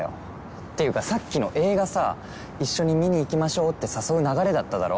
っていうかさっきの映画さ「一緒に見に行きましょう」って誘う流れだっただろ？